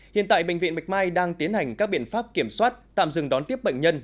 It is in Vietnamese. hiện tại bệnh viện bạch mai đang tiến hành các biện pháp kiểm soát tạm dừng đón tiếp bệnh nhân